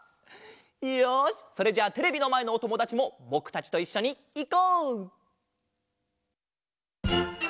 よしそれじゃあテレビのまえのおともだちもぼくたちといっしょにいこう！